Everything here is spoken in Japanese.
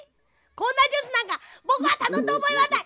こんなジュースなんかぼくはたのんだおぼえはない！